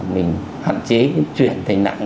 mình hạn chế chuyển thành nặng